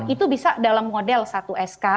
itu bisa dalam model satu sk